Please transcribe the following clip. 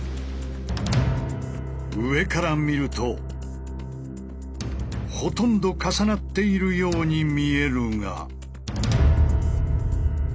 上から見るとほとんど重なっているように見えるが。